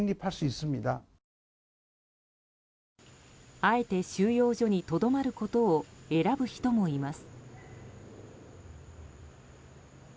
あえて収容所にとどまることを選ぶ人もいます。